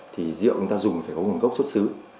thì rượu chúng ta dùng phải có nguồn gốc xuất xứ